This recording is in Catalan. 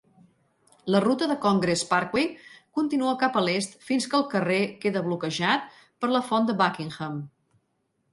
La ruta de Congress Parkway continua cap a l'est fins que el carrer queda bloquejat per la font de Buckingham.